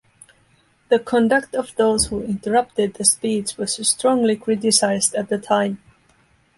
The conduct of those who interrupted the speech was strongly criticised at the time.